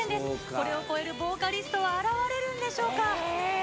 これを超えるボーカリストは現れるんでしょうか？